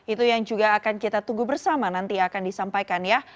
itu yang juga akan kita tunggu bersama nanti akan disampaikan ya